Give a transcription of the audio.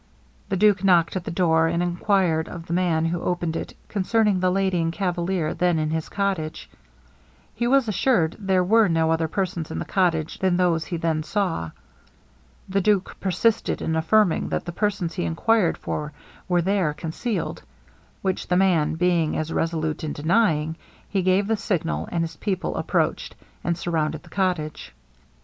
The duke knocked at the door, and enquired of the man who opened it concerning the lady and cavalier then in his cottage. He was assured there were no other persons in the cottage than those he then saw. The duke persisted in affirming that the persons he enquired for were there concealed; which the man being as resolute in denying, he gave the signal, and his people approached, and surrounded the cottage.